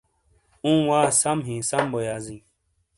اوں وا سَم ہی سَم بو یازیں۔